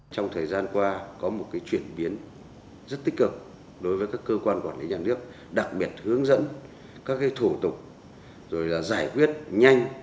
trong thời gian qua có một chuyển biến rất tích cực đối với các cơ quan quản lý nhà nước đặc biệt hướng dẫn các thủ tục rồi là giải quyết nhanh